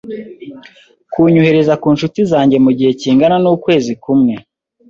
kunyohereza ku nshuti zanjye mu gihe kingana n’ukwezi kumwe.